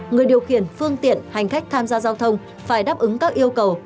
người điều khiển phương tiện hành khách tham gia giao thông phải đáp ứng các yêu cầu